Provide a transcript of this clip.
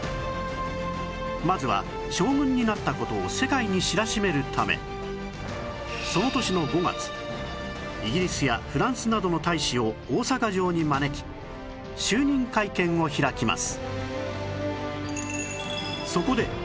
まずは将軍になった事を世界に知らしめるためその年の５月イギリスやフランスなどの大使を大坂城に招き就任会見を開きます